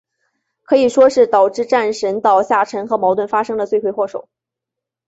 可以说是导致战神岛下沉和矛盾发生的罪魁祸首。